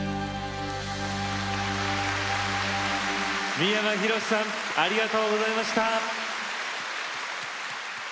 三山ひろしさんありがとうございました。